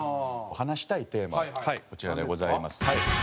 話したいテーマこちらでございます。